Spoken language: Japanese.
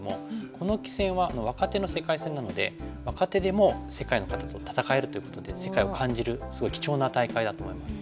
この棋戦は若手の世界戦なので若手でも世界の方と戦えるということで世界を感じるすごい貴重な大会だと思います。